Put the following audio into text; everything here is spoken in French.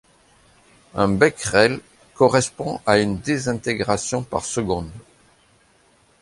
Un becquerel correspond à une désintégration par seconde.